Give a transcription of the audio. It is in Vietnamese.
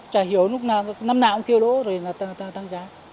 chà hiểu lúc nào năm nào cũng kêu lỗ rồi tăng giá